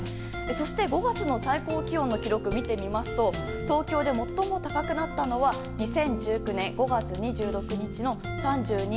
そして５月の最高気温の記録見てみますと東京で最も高くなったのは２０１９年５月２６日の３２．６度。